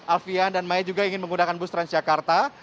alfian dan maya juga ingin menggunakan bus transjakarta